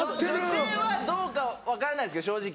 女性はどうか分からないですけど正直。